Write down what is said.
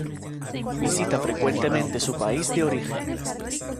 Visita frecuentemente su país de origen.